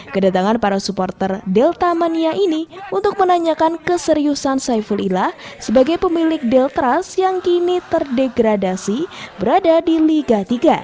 kedatangan para supporter deltamania ini untuk menanyakan keseriusan saifulillah sebagai pemilik deltras yang kini terdegradasi berada di liga tiga